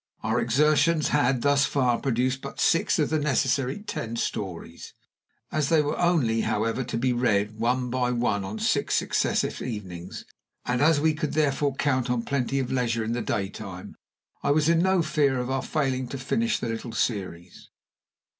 Our exertions had thus far produced but six of the necessary ten stories. As they were only, however, to be read, one by one, on six successive evenings, and as we could therefore count on plenty of leisure in the daytime, I was in no fear of our failing to finish the little series.